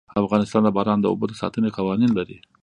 افغانستان د باران د اوبو د ساتنې قوانين لري.